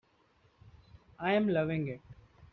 I'm loving it.